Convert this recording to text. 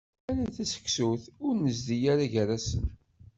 Ala taseksut i ur nezdi ara gar-asen.